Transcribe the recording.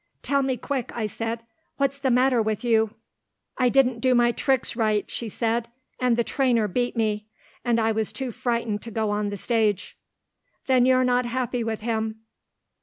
"Tell me quick," I said, "what's the matter with you?" "I didn't do my tricks right," she said, "and the trainer beat me, and I was too frightened to go on the stage." "Then you're not happy with him."